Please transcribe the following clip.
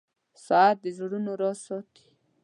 • ساعت د زړونو راز ساتي.